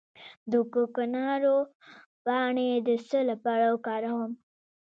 د کوکنارو پاڼې د څه لپاره وکاروم؟